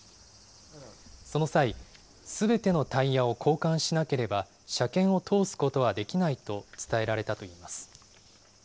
その際、すべてのタイヤを交換しなければ、車検を通すことはできないと伝えられたといいます。